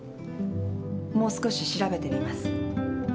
もう少し調べてみます。